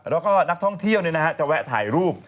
แล้วก็นักท่องเที่ยวเนี่ยนะฮะจะแวะถ่ายรูป